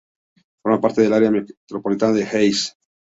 Forma parte del área micropolitana de Hays.